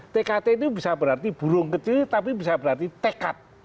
tkt itu bisa berarti burung kecil tapi bisa berarti tekad